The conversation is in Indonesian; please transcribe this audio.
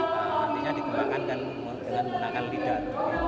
nantinya dikembangkan dengan menggunakan lidah